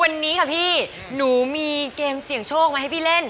วันนี้ค่ะพี่หนูมีเกมเสี่ยงโชคมาให้พี่เล่น